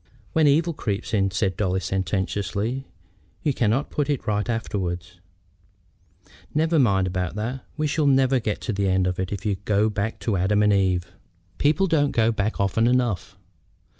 "When evil creeps in," said Dolly, sententiously, "you cannot put it right afterward." "Never mind about that. We shall never get to the end if you go back to Adam and Eve." "People don't go back often enough."